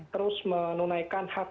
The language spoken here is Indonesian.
terus menunaikan hak